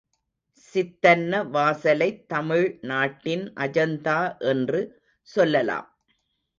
சித்தன்ன வாசலைத் தமிழ் நாட்டின் அஜந்தா என்று சொல்லலாம்.